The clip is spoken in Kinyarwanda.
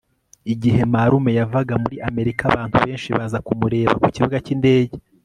Igihe marume yavaga muri Amerika abantu benshi baza kumureba ku kibuga cyindege